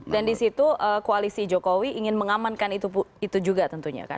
dan disitu koalisi jokowi ingin mengamankan itu juga tentunya kan